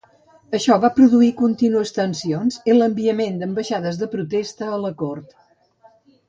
Això va produir contínues tensions i l'enviament d'ambaixades de protesta a la cort.